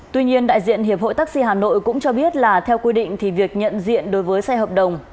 tuy nhiên đại diện hiệp hội taxi hà nội cũng cho biết là theo quy định thì việc nhận diện đối với xe hợp đồng